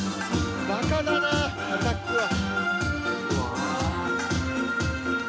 バカだなアタックは。